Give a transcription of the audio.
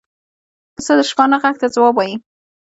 پسه د شپانه غږ ته ځواب وايي.